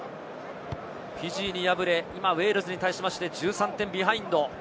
フィジーに敗れ、今ウェールズに対して１３点ビハインド。